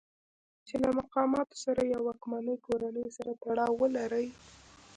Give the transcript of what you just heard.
چې له مقاماتو سره یا واکمنې کورنۍ سره تړاو ولرئ.